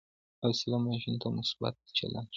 حوصله ماشوم ته مثبت چلند ښيي.